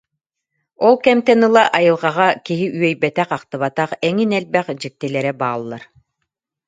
Ол кэмтэн ыла «айылҕаҕа киһи үөйбэтэх-ахтыбатах эҥин элбэх дьиктилэрэ бааллар